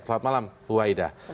selamat malam wahida